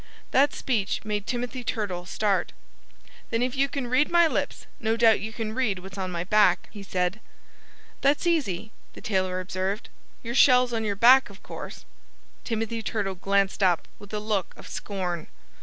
That speech made Timothy Turtle start. "Then if you can read my lips, no doubt you can read what's on my back," he said. "That's easy," the tailor observed. "Your shell's on your back, of course." Timothy Turtle glanced up with a look of scorn.